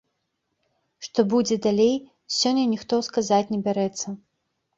Што будзе далей, сёння ніхто сказаць не бярэцца.